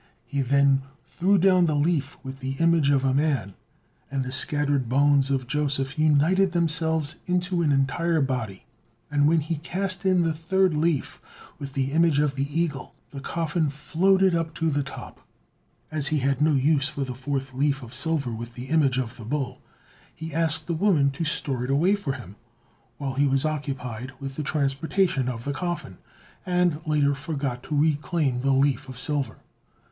He then threw down the leaf with the image of man, and the scattered bones of Joseph united themselves into an entire body; and when he cast in the third leaf with the image of the eagle, the coffin floated up to the top. As he had no use for the fourth leaf of silver with the image of the bull, he asked a woman to store it away for him, while he was occupied with the transportation of the coffin, and later forgot to reclaim the leaf of silver.